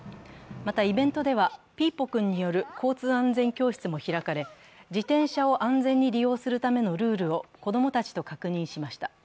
また、イベントではピーポくんによる交通安全教室も開かれ、自転車を安全に利用するためのルールを子供たちと確認しました。